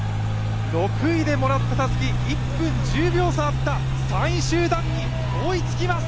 ６位でもらったたすき、１分１０秒差あった３位集団に追いつきます。